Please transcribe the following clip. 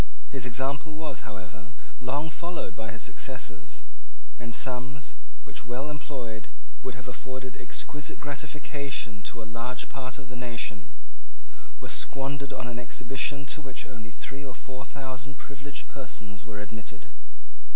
His example was, however, long followed by his successors; and sums, which, well employed, would have afforded exquisite gratification to a large part of the nation, were squandered on an exhibition to which only three or four thousand privileged persons were admitted.